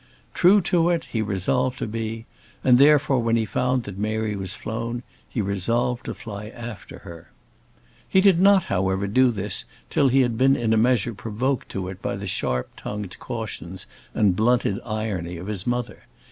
True to it he resolved to be; and therefore, when he found that Mary was flown, he resolved to fly after her. He did not, however, do this till he had been in a measure provoked to it by it by the sharp tongued cautions and blunted irony of his mother.